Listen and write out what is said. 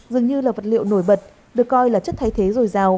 dường như là vật liệu nổi bật được coi là chất thay thế dồi dào